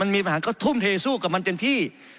มีปัญหาก็ทุ่มเทสู้กับมันเต็มที่